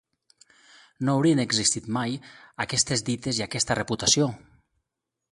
No haurien existit mai aquestes dites i aquesta reputació.